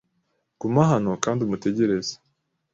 Guma hano kandi umutegereze.